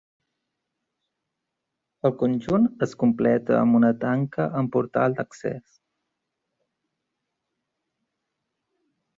El conjunt es completa amb una tanca amb portal d'accés.